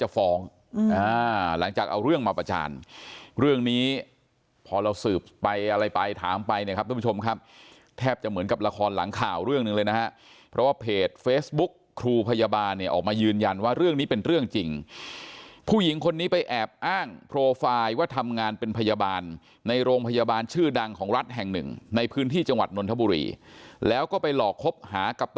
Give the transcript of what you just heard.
หลังจากเอาเรื่องมาประจานเรื่องนี้พอเราสืบไปอะไรไปถามไปเนี่ยครับทุกผู้ชมครับแทบจะเหมือนกับละครหลังข่าวเรื่องหนึ่งเลยนะฮะเพราะว่าเพจเฟซบุ๊กครูพยาบาลเนี่ยออกมายืนยันว่าเรื่องนี้เป็นเรื่องจริงผู้หญิงคนนี้ไปแอบอ้างโปรไฟล์ว่าทำงานเป็นพยาบาลในโรงพยาบาลชื่อดังของรัฐแห่งหนึ่งในพื้นที่จังหวัดนนทบุรีแล้วก็ไปหลอกคบหากับต